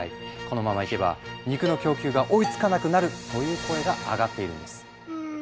このままいけば肉の供給が追いつかなくなるという声が上がっているんです。